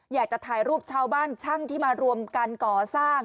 อยากจะถ่ายรูปชาวบ้านช่างที่มารวมกันก่อสร้าง